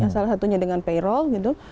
salah satunya dengan payroll